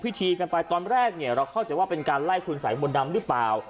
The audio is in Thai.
กันไปตอนแรกเนี่ยเราเข้าใจว่าเป็นการไล่คุณสายมนต์ดำหรือเปล่า